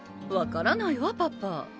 分からないわパパ。